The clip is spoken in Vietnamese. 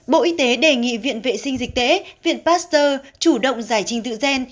bộ y tế đề nghị viện vệ sinh dịch tễ viện pasteur chủ động giải trình tự gen